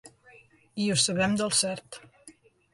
I ho sabem del cert.